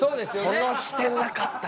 その視点なかったな。